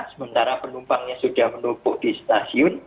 sementara penumpangnya sudah menumpuk di stasiun